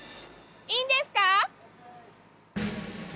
いいんですか？